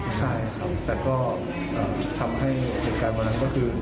ใช่ครับแต่ก็ทำให้เหตุการณ์วันนั้นก็คือ